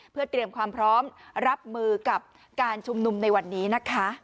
เพื่อเตรียมความพร้อมรับมือกับการชุมนุมในวันนี้นะคะ